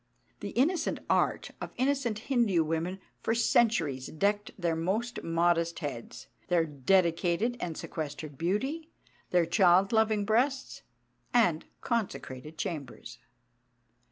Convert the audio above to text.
The innocent art of innocent Hindu women for centuries decked their most modest heads, their dedicated and sequestered beauty, their child loving breasts, and consecrated chambers.